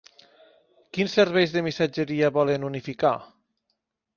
Quins serveis de missatgeria volen unificar?